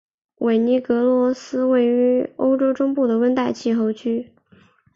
韦尼格罗德处于欧洲中部的温带气候区。